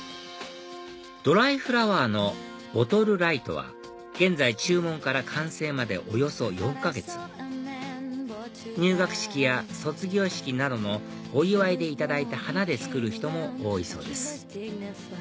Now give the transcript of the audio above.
ドライフラワーのボトルライトは現在注文から完成までおよそ４か月入学式や卒業式などのお祝いで頂いた花で作る人も多いそうです